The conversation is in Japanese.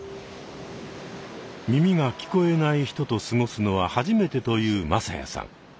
耳が聞こえない人と過ごすのは初めてという匡哉さん。